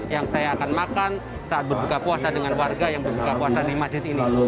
yang saya akan makan saat berbuka puasa dengan warga yang berbuka puasa di masjid ini